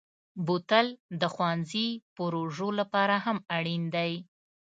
بوتل د ښوونځي پروژو لپاره هم اړین دی.